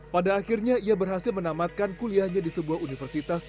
pada akhirnya ia berhasil menamatkan kuliahnya di sebuah universitas